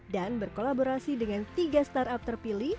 dan berkolaborasi dengan tiga startup terpilih